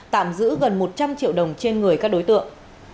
tạm giữ gần một trăm linh triệu đồng trên người các đối tượng